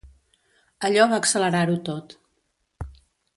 Allò va accelerar-ho tot.